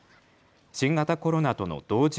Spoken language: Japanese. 新型コロナとの同時